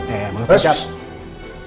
eh mengesan cap